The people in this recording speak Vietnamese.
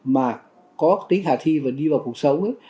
mà có tính khả thi và đi vào cuộc sống ấy